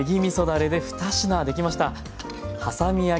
だれで２品できました。